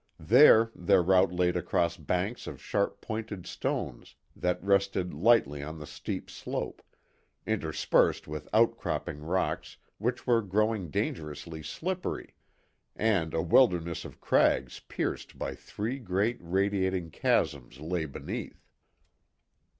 There, their route laid across banks of sharp pointed stones that rested lightly on the steep slope, interspersed with out cropping rocks which were growing dangerously slippery; and a wilderness of crags pierced by three great radiating chasms lay beneath.